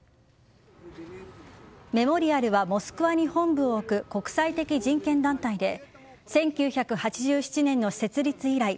メモリアルはモスクワに本部を置く国際的人権団体で１９８７年の設立以来